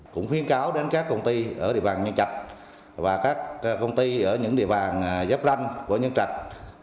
cũng khuyên cáo đến các công ty ở địa bản nhân trạch và các công ty ở những địa bản giáp ranh của nhân trạch